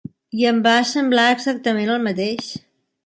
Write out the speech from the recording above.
I em va semblar exactament el mateix;